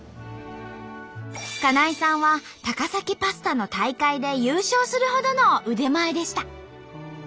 金井さんは高崎パスタの大会で優勝するほどの腕前でした。